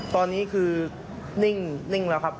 ตอนนี้คือนิ่งแล้วครับ